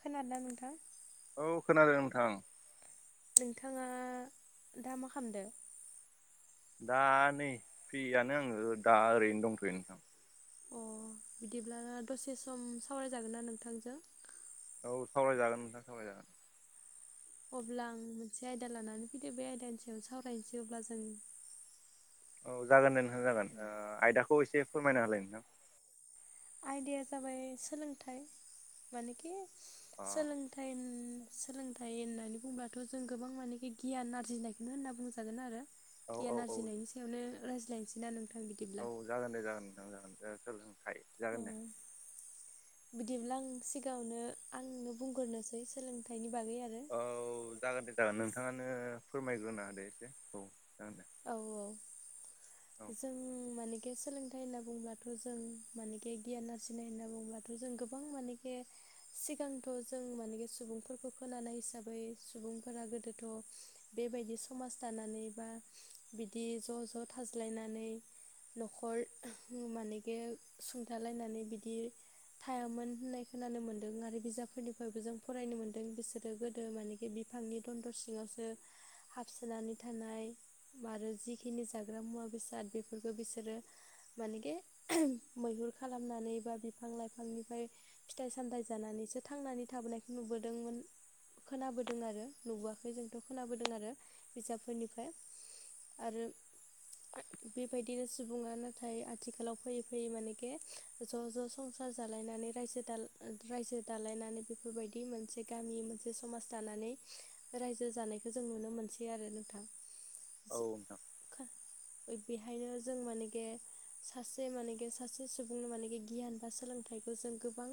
खोनादों ना नोंथां औ खोनादों नोंथां नोंथाङा दा मा खालामदों दा नै फ्रियानो आङो दा ओरैनो दंथ'यो नोंथां अ बिदिब्ला दसे सम सावरायजागोन ना नोंथांजों औ सावरायजागोन नोंथां सावरायजागोन अब्ला आं मोनसे आयदा लानानै फैदो बे आयदानि सायाव सावरायनोसै अब्ला जों औ जागोन दे नोंथां जागोन ओ आयदाखौ एसे फोरमायना होलाय नोंथां आयदाया जाबाय सोलोंथाइ मानेखि अ सोलों थाइ सोलोंथाइ होननानै बुंब्लाथ' जों गोबां मानेखि गियान आरजिनायखौनो होनना बुंजागोन आरो औ औ गियान औ आरजिनायनि सायावनो रायज्लायनोसै ना नोंथां बिदिब्ला औ जागोन दे जागोनां नोंथां जागोन दे सोलों जागोन औ बिदिब्ला आं सिगाङावनो आंनो बुंग्रोनोसै सोलोंथाइनि बागै आरो औ जागोन दे जागोन नोंथाङानो फोरमायग्रोना होदे एसे औ जागोन दे औ औ औ जों मानेखे सोलों थाइ होनना बुंब्लाथ' जों मानेखे गियान आरजिनाय होनना बुंङोब्लाथ' जों गोबां मानेखे सिगांथ' जों मानखे सुबुंफोरखौ खोनानाय हिसाबै सुबुंफोरा गोदोथ' बेबायदि समाज दानानै बा बिदि ज' ज' थाज्लायनानै न'खर मानेखे सुंथालायनानै बिदि थायामोन होननाय खोनानो मोन्दों आरो बिजाबफोरनिफ्रायबो जों फरायनो मोन्दों बिसोरो गोदो मानि बिफांनि दनन्दर सिङावसो हाबसोनानै थानाय आरो जिखिनि जाग्रा मुवा बेसाद बेफोरखौ बिसोरो मानेखे मैहुर खालामनानै बा बिफां लाइफांनिफ्राय फिथाइ सामथाइ जानानैसो थांनानै थाबोनायखौ नुबोदोंमोन खोनाबोदों आरो नुबोआखै जोंथ' खोनाबोदों आरो बिजाबफोरनिफ्राय आरो बेबायदिनो सुबुङा नाथाय आथिखालाव फैयै फैयै माने के ज' ज' संसार जालायनानै रायजो दाल रायजो दालायनानै बेफोरबायदि मोन मोनसे गामि मोनसे समाज दानानै रायजो जानायखौ जों नुनो मोनसै आरो नोंथां औ नोंथां [unintelligible] बेहायनो जों माने के सासे मानेखे सासे सुबुंनो मानेखे गियान बा सोलोंथाइखौ जों गोबां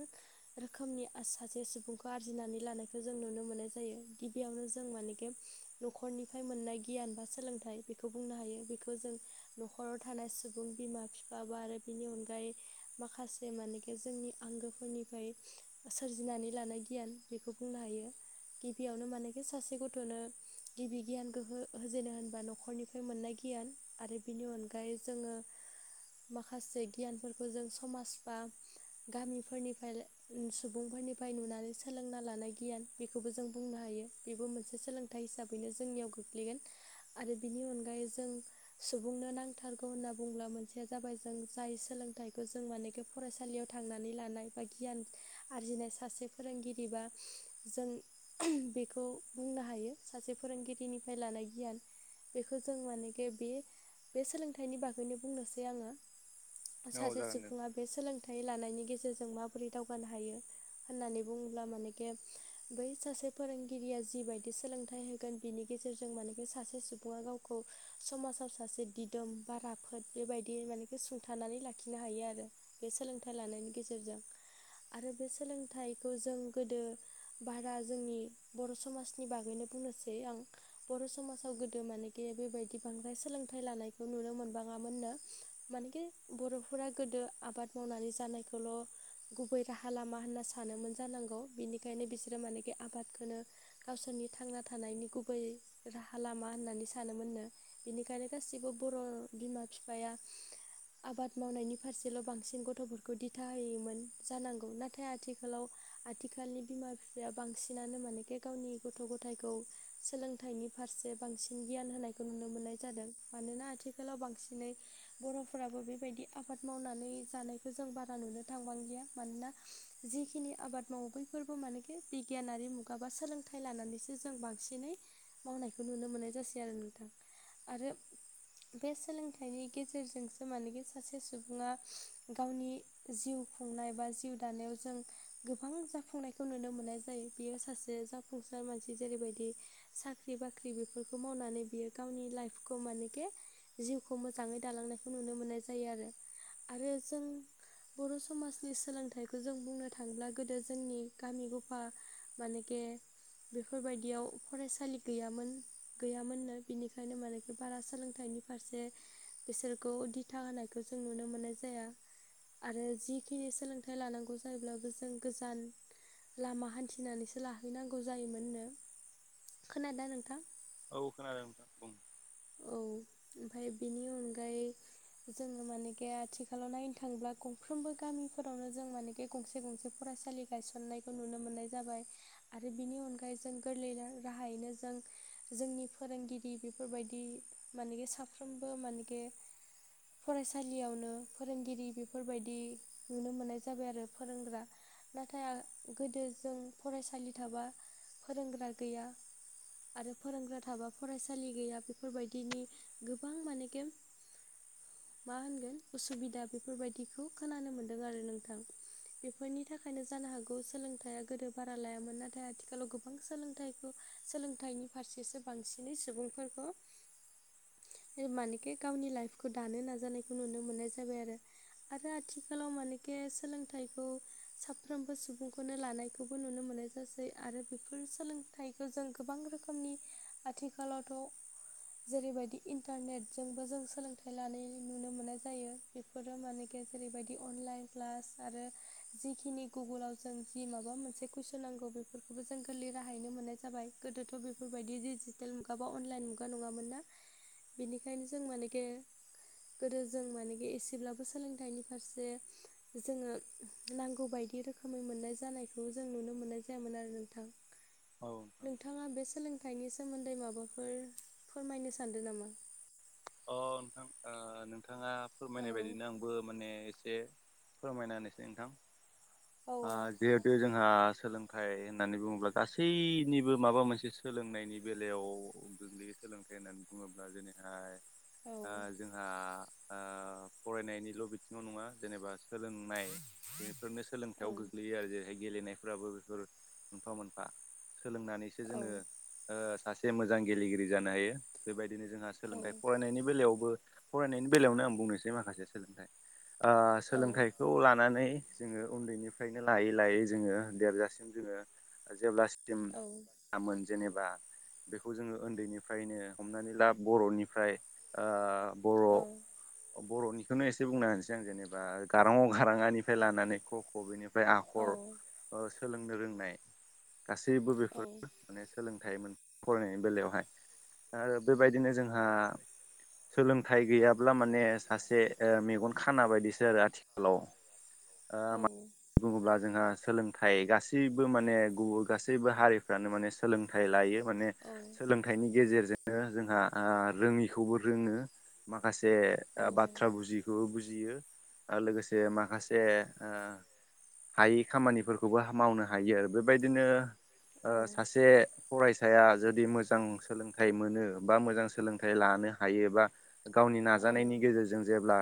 रोखोमनि सासे सुबुंखौ आरजिनानै लानायखौ जों नुनो मोननाय जायो गिबियावनो जों मानेखे नखरनिफ्राय मोननाय गियान बा सोलोंथाइ बेखौ बुंनो हायो। बेखौ जों नखराव थानाय सुबुं बिमा बिफा बा आरो बिनि अनगायै माखासे मानेखे जोंनि आंगोफोरनिफ्राय सोरजिनानै लानाय गियान बेखौ बुंनो हायो। गिबियावनो मानेखे सासे गथ'नो गिबि गियानखौ हो होजेनो होनबा नखरनिफ्राय मोननाय गियान। आरो बिनि अनगायै जोङो माखासे गियानफोरखौ जों समाज बा गामिफोरनिफ्राय सुबुंफोरनिफ्राय नुनानै सोलोंना लानाय गियान बेखौबो जों बुंनो हायो बेबो मोनसे सोलों थाइ हिसाबैनो जोंनियाव गोग्लैगोन। आरो बिनि अनगायै जों सुबुंनो नांथारगौ होनना बुंब्ला मोनसेया जाबाय जों जाय सोलोंथाइखौ जों माने गो फरायसालियाव थांनानै लानाय बा गियान आरजिनाय सासे फोरोंगिरिबा जों बेखौ बुंनो हायो सासे फोरोंगिरिनिफ्राय लानाय गियान। बेखौ जों मानेखे बे बे सोलोंथाइनि बागैनो बुंनोसै आङो। औ सासे जागोन दे सुबुङा बे सोलोंथाइ लानायनि गेजेरजों माबोरै दावगानो हायो होननानै बुङोब्ला माने के बै सासे फोरोंगिरिया जिबायदि सोलोंथाइ होगोन बिनि गेजेरजों माने बे सासे सुबुङा गावखौ समाजाव सासे दिदोम बा राफोद बेबायदि माने बेखौ सुंथानानै लाखिनो हायो आरो बे सोलोंथाइ लानायनि गेजेरजों। आरो बे सोलोंथाइखौ जों गोदो बारा जोंनि बर' समाजनि बागैनो बुंनो [unintelligible] आं बर' समाजाव गोदो मानेखि बेबायदि बांद्राय सोलोंथाइ लानायखौ नुनो मोनबाङा मोनना। माने के बर'फोरा गोदो आबाद मावनानै जानायखौल' गुबै राहा लामा होनना सानोमोन जानांगौ। बिनिखायनो बिसोरो मानेखि आबादखोनो गावसोरनि थांना थानायनि गुबै राहा लामा होननानै सानोमोननो। बेनिखायनो गासिबो बर' बिमा फिफाया आबाद मावनायनि फारसेल' बांसिन गथ'फोरखौ दिथा होयोमोन जानांगौ। नाथाय आथि खालाव आथिखालनि बिमा बिफाया बांसिनानो मानेखे गावनि गथ' गथायखौ सोलोंथाइनि फारसे बांसिन गियान होनायखौ नुनो मोननाय जादों। मानोना आथिखालाव बांसिनै बर'फोराबो बेबायदि आबाद मावनानै जानायखौ जों बारा नुनो थांबांलिया। मानोना जिखिनि आबाद मावो बैफोरबो मानेखि बिगियानारि मुगा बा सोलोंथाइ लानानैसो जों बांसिनै मावनायखौ नुनो मोननाय जासै आरो नोंथां। आरो बे सोलोंथाइनि गेजेरजोंसो मानेखि सासे सुबुङा गावनि जिउ खुंनाय बा जिउ दानायाव जों गोबां जाफुंनायखौ नुनो मोननाय जायो बेयो सासे जा फुंसार मानसि जेरैबायदि साख्रि बाख्रि बेफोरखौ मावनानै बियो गावनि लाइफखौ मानेखे जिउखौ मोजाङै दालांनायखौ नुनो मोननाय जायो आरो। आरो जों बर' समाजनि सोलोंथाइखौ जों बुंनो थाङोब्ला गोदो जोंनि गामि गफा मानेखे बेफोर बायदियाव फरायसा लि गैयामोन। गैयामोननो बिनिखायनो मानेखि बारा सोलोंथाइनि फारसे बिसोरखौ दिथा होनायखौ जों नुनो मोननाय जाया। आरो जिखिनि सोलोंथाइ लानांगौ जायोब्लाबो जों गोजान लामा हान्थिनानैसो लाहैनांगौ जायोमोननो। खोनादों नोंथां? औ खोनादों नोंथां बुं। औ ओमफ्राय बेनि अनगायै जोङो मानेगे आथिखालाव नायनो थाङोब्ला गंफ्रोमबो गामिफोरावनो जों मानेगे गंसे गंसे फरायसालि गायसननायखौ नुनो मोननाय जाबाय। आरो बिनि अनगायै जों गोरलै राहायैनो जों जोंनि फोरोंगिरि बेफोरबाय दि मानेगे साफ्रोमबो मानेगे फरायसालियावनो फोरोंगिरि बेफोरबायदि नुनो मोननाय जाबाय आरो फोरोंग्रा। नाथाय गोदो जों फरायसालि थाबा फोरोंग्रा गैया आरो फोरोंग्रा थाबा फरायसालि गैया बे बेफोरबायदिनि गोबां माने गे मा होनगोन उसुबिदा बेफोरबायदिखौ खोनानो मोन्दों आरो नोंथां। बेफोरनि थाखायनो जानो हागौ सोलोंथाइ आ गोदो बारा लायामोन नाथाय आथिखालाव गो बां सोलोंथाइखौ सोलोंथाइनि फारसेसो बांसिनै सुबुंफोरखौ बे मानेकि गावनि लाइफखौ दानो नाजानायखौ नुनो मोननाय जाबाय आरो। आरो आथिखालाव मानके सोलोंथाइखौ साफ्रोमबो सुबुंखौनो लानायखौबो नुनो मोनो सै आरो बेफोर सोलोंथाइखौ जों गोबां रोखोमनि आथिखालावथ' जेरैबायदि इन्टारनेटजोंबो जों सोलोंथाइ लानाय नुनो मोननाय जायो बे फोरो मानेखे जेरैबायदि अनलाइन क्लास आरो जिखिनि गुगलाव जों जि माबा मोनसे कुइसन नांगौ बेफोरखौबो जों गोरलै राहायैनो मोननाय जाबाय गोदोथ' बेफोरबायदि डि जेटेल मुगा बा अनलाइन मुगा नङामोन ना बेनिखायनो जों मानेखे गोदो जों मानेखे एसेब्लाबो सोलोंथाइनि फारसे जोङो नांगौ बायदि रोखोमै मोननाय जानायखौ जों नुनो मोननाय जायामोन आरो नोंथां। [inaudible] औ। नोंथाङा बे सोलोंथाइनि सोमोन्दै माबाफोर फोरमायनो सानदों नामा? अ नोंथां नोंथाङा फोरमायनाय औ बायदिनो आंबो माने एसे फोरमायना होनोसै नोंथां सोलोंथाइ गैयाब्ला माने सासे ओ मेगन खाना बायदि जायो आथिखालाव मानो होनोब्ला जोंहा सोलोंथाइ गासैबो माने गुबुन गासैबो हारिफ्रानो माने सोलोंथाइ लायो माने मोनसे बाथ्रा बुस्थुखौ आ जिहे बे जोंहा सोलोंथाइ होननानै बुङोब्ला गासैनिबो माबा मोनसे सोलोंनायनि बेलायाव गोग्लैयो सोलोंथाइ होननानै बुङोब्ला जेरैहाय आ जोंहा आ फरायनायनिल' बिथिङाव नङा जेनेबा सोलोंनाय बेफोरनो सोलोंथाइयाव गोग्लैयो आरोे जे बे गेलेनायफोराबो बेफोर मोनफा मोनफा सोलोंनानैसो जोङो ओ सासे मोजां गेलेगिरि जानो हायो बेबायदिनो जोंहा सोलोंथाइ होनायनि बेलायावबो फरायनायनि बेलायावनो आं बुंनोसै माखासे सोलोंथाइ आ सोलोंथाइ खौ लानानै जोङो उन्दैनिफ्रायनो लायै लायै जोङो देरजासिम जोङो जेब्ला स्टिम आमोन जेनेबा बेखौ जोङो उन्दैनिफ्रायनो हमनानै ला बर'निफ्राय ओ औ। बर' बर'निखौनो एसे बुंना होनसै आं जेनेबा अ आ निफ्राय लानानै ख बेनिफ्राय आखर ओ सोलोंनो रोंनाय गासैबो बेफोर माने सोलोंथाइ मोन फरायनायनि बेलायावहाय आरो बेबायदिनो जोंहा सोलोंथाइ गैयाब्ला माने सासे ओ मेगन खाना बायदिसो आरो आथिखालाव। [inaudible] ओ मा बुङोब्ला जोंहा सोलोंथाइ गासैबो माने गुब गासैबो हारिफ्रानो माने हायै सोलोंथाइ लायो माने सोलोंथाइनि गेजेरजोंनो जोंहा ओ रोङि खौबो रोङो माखासे खामानिफोरखौबो ओ मावनो हायो बेबायदिनो सासे गावनि नाजानायनि गेजेरजों जेब्ला सोलोंथाइ लानो हायो बाथ्रा बुजि यि खौबो बुजियो आरो लोगोसे माखासे ओ हायै खामानिफोरखौबो मावनो हायो आरो बेबायदिनो ओ सासे फरायसाया जुदि मोजां सोलोंथाइ मोनो बा मोजां सोलों थाइ लानो हायो बा गावनि नाजानायनि गेजेरजों जेब्ला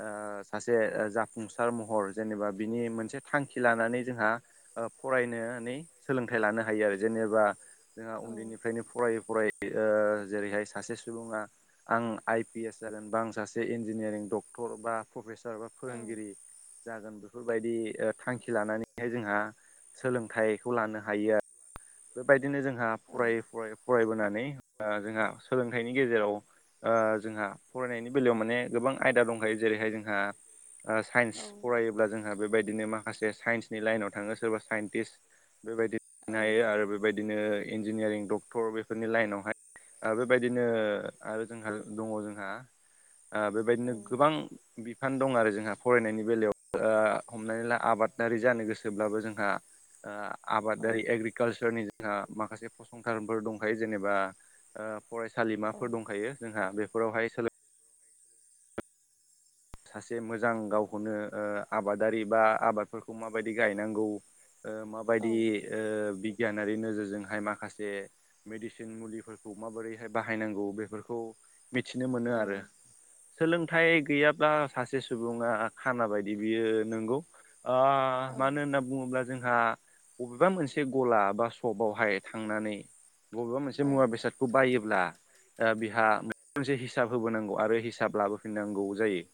ओ सासे ओ जाफुंसार महर जेनेबा बिनि मोनसे थांखि लानानै जोंहा ओ फरायनानै सोलोंथाइ लानो हायो आरो। जेनेबा जोंहा आरो जेनेबा उन्दैनिफ्रायनो फरायै फरायै ओ जेरैहाय सासे सुबुङा आं आइ पि एस जागोनबा आं सासे इन्जिनियारिं डक्टर बा प्रफेसार बा औ फोरोंगिरि जागोन बेफोरबायदि ओ थांखि लानानैहाय जोंहा सोलोंथाइखौ लानो हायो आरो। बेबायदिनो जोंहा औ फरायै फरायै फरायबोनानै ओ जोंहा सोलोंथाइनि गेजेराव ओ जोंहा फरायनायनि बेलायाव माने गोबां आयदा दंखायो जेरैहाय जोंहा ओ साइन्स फरायोब्ला जों बेबायदिनो माखासे साइन्सनि लाइनाव थाङो सोरबा साइन्टिस्ट बेबायदिनो हायो आरो ना आरो बेबायदिनो इन्जिनियारिं डक्टर बेफोरनि लाइनावहाय बेबायदिनो आरो जोंहा दङ जोंहा ओ बेबायदिनो गोबां फान दं आरो जोंहा फरायनायनि बेलायाव ओ हमनानै ला आबादारि जानो गोसोब्लाबो जोंहा ओ आबादारि एग्रिकालसारनि जोंहा माखासे फसंथानफोर दंखायो जेनेबा ओ फरायसालिमाफोर दंखायो जोंहा बेफोरावहाय सोलों सासे मोजां गावखौनो ओ आबादारि बा आबादफोरखौ माबायदि गायनांगौ ओ औ माबायदि ओ बिगियानारि नोजोरजोंहाय माखासे मेडिसिन मुलिफोरखौ माबोरैहाय बाहायनांगौ बेफोरखौ मिथिनो मोनो औ आरो सोलोंथाइ गैया ब्ला सासे सुबुङा खाना बायदि बियो नोंगौ ओ औ मानो होनना बुङोब्ला जोंहा अबेबा मोनसे गला बा सपआवहाय थांनानै बबेबा मोनसे औ मुवा बेसाद खौ बायोब्ला ओ बिहा मोनसे हिसाब होबोनांगौ आरो हिसाब लाबोफिननांगौ जायो।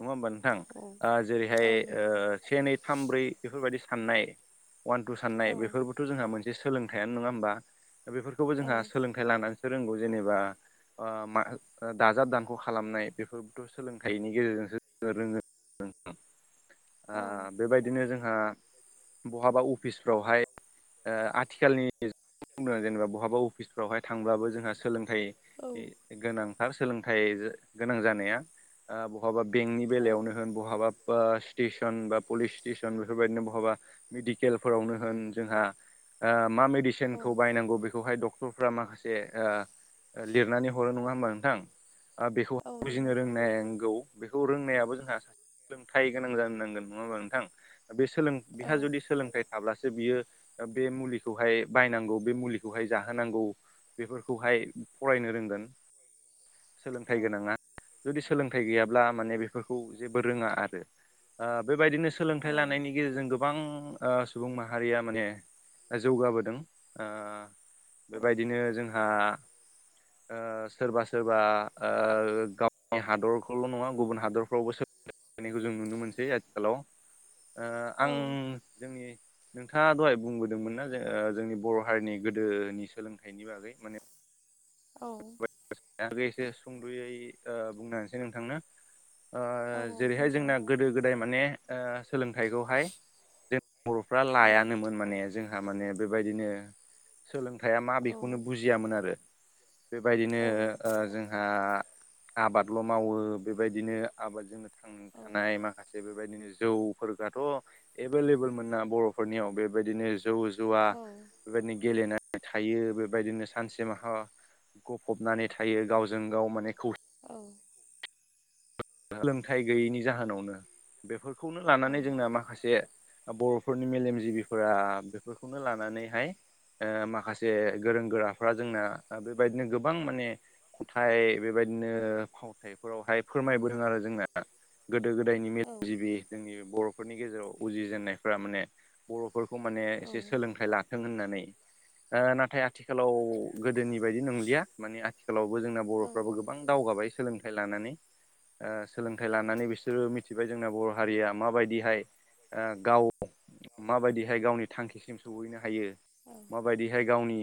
नङा ओमबा औ नोंथां जेरैहाय औ ओ नंगौ से नै थाम ब्रै बेफोरबायदि साननाय अवान टु औ साननाय बेफोरबो थ' जोंहा मोनसे सोलोंथाइयानो नङा होमबा बेफोरखौबो औ जोंहा सोलोंथाइ लानानैसो रोंगौ जेनेबा ओ मा दाजाब दानख' खालामनाय बेफोरथ' सोलोंथाइनि गेजेरजोंसो रोङो ओ बेबायदिनो जों ओ बहाबा अफिसफ्रावहाय ओ आथिखालनि बुंनो जेनेबा बहाबा अफिसफ्रावहाय थांब्लाबो जोंहा सोलोंथाइ औ गोनांथार सोलोंथाइ गोनां जानाया ओ बहाबा बेंकनि औ बेलायावनो होन बहाबा स्टेसन बा पुलिस स्टेसन बेफोरबायदिनो बहाबा मेडिकेलफोरावनो होन जोंहा ओ मा मेडिसिनखौ बायनांगौ बेखौहाय ड क्टर फोरा माखासे ओ लिरनानै हरो नङा होमबा नोंथां? ओ बेखौ औ बुजिनो नंगौ रोंनांगौ। बेखौ रोंनायाबो जोंहा सोलोंथाइ गोनां जानो नांगोन नङा ओममबा नोंथां दा बे सोलों औ बिहा औ जुदि सोलोंथाइ थाब्लासो बियो बे मुलिखौहाय बायनांगौ बे मुलिखौहाय जाहोनांगौ बेफोरखौहाय फरायनो रोंगोन सोलोंथाइ गोनाङा जुदि सोलोंथाइ गैया ब्ला माने बेफोरखौ जेबो रोङा आरो ओ बेबायदिनो सोलोंथाइ लानायनि गेजेरजों गोबां ओ सुबुं माहारिया माने जौगाबोदों ओ बेबायदिनो जोंहा ओ सोरबा सोरबा ओ गावनि हादर ल' नङा गुबुन हादरफ्रावबो सोलायनायखौ जों नुनो मोनसै आथिखालाव ओ आं जोंनि नोंथाङा दहाय बुंबोदोंमोनना ओ जों जोंनि बर' हारिनि गोदोनि सोलोंथाइ इनि बागै माने औ एसे सुंद'यै ओ बुंना होनोसै नोंथांनो। ओ औ जेरैहाय जोंना बुंजागोन गोदो गोदाय माने ओ सोलोंथाइखौहाय जों बर'फ्रा औ लायानोमोन माने जों टामाने बेबायदिनो सोलोंथाइया मा बेखौनो औ बुजियामोन आरो। बेबायदिनो ओ जोंहा आबादल' मावो बेबायदिनो आबादजोंनो थांना औ थानाय माखासे बेफोरबायदिनो जौफोरखौथ' एभेलेबोल मोन ना बर'फोरनियाव बेबायदिनो जौ जुवा औ बेबायदिनो गेलेनानै थायो बेबायदिनो सानसे माहा गफबनानै थायो गावजों गाव माने खौसे औ। सोलोंथाइ गैयैनि जाहोनावनो बेफोरखौनो औ लानानै जोंना माखासे बर'फोरनि मेलेमजिबिफोरा बेफोरखौनो लानानैहाय ओ माखासे गोरों गोराफ्रा जोंना ओ बेबायदिनो गोबां माने खन्थाइ बेबायदिनो फावथाइफोरावहाय फोरमायबोदों आरो जोंना गोदो गोदायनि मेलेमजिबि जोंनि बर' फोरनि गेजेराव उजि जेननायफोरा माने बर'फोरखौ माने औ एसे सोलोंथाइ ला थों होननानै ओ नाथाय आथिखालाव गोदोनि बायदि नंलिया माने आथिखालावबो जोंना औ बर'फ्राबो गोबां दावगाबाय सोलोंथाइ लानानै। ओ सोलोंथाइ लानानै बिसोरो मिथिबाय जोंना बर' हारिया माबायदिहाय ओ गाव माबायदिहाय गावनि थांखिसिम सहैनो हायो। औ। माबायदिहाय गावनि